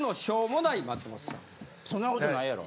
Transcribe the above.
そんな事ないやろ？